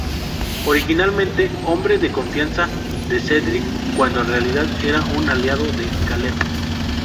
Originalmente hombre de confianza de Cedric, cuando en realidad era un aliado de Caleb.